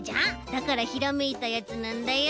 だからひらめいたやつなんだよ。